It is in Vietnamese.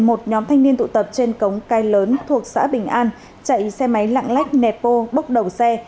một nhóm thanh niên tụ tập trên cống cái lớn thuộc xã bình an chạy xe máy lạng lách nẹp bô bốc đầu xe